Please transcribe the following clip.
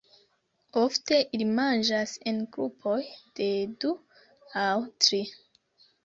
Ofte ili manĝas en grupoj de du aŭ tri.